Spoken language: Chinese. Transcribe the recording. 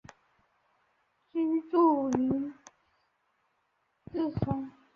居住于宇治山。